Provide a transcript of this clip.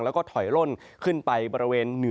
แล้วก็ถอยล่นขึ้นไปบริเวณเหนือ